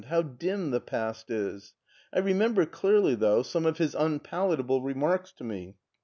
How dim the past is ! I remember clearly, though, some of his unpalatable remarks to me.